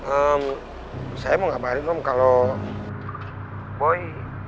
hmm saya mau ngabarin om kalau boy